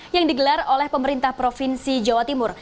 yang digelar oleh pemerintah provinsi jawa timur